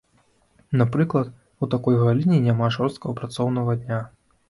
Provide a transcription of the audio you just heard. Напрыклад, у такой галіне няма жорсткага працоўнага дня.